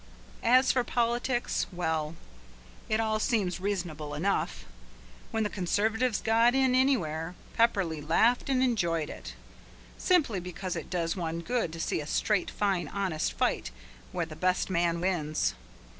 As for politics, well, it all seemed reasonable enough. When the Conservatives got in anywhere, Pepperleigh laughed and enjoyed it, simply because it does one good to see a straight, fine, honest fight where the best man wins.